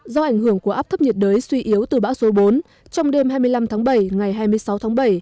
do ảnh hưởng của áp thấp nhiệt đới suy yếu từ bão số bốn trong đêm hai mươi năm tháng bảy ngày hai mươi sáu tháng bảy